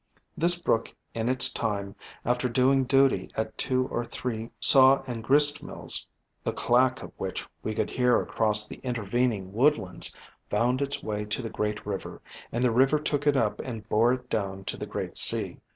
This brook in its time, after doing duty at two or three saw and grist mills, the clack of which we could hear across the intervening woodlands, found its way to the great river, and the river took it up and bore it down to the great sea."